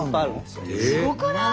すごくない？